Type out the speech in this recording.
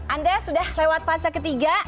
anda sudah lewat fase ketiga